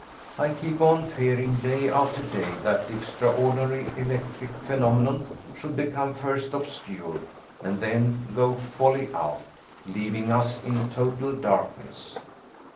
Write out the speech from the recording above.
I keep on fearing, day after day, that the extraordinary electric phenomenon should become first obscured, and then go wholly out, leaving us in total darkness.